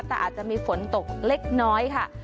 แต่อาจจะมีฝนตกเล็กน้อยค่ะ